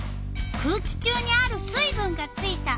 「空気中にある水分がついた」。